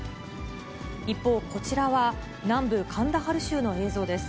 一方、こちらは南部カンダハル州の映像です。